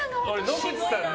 野口さん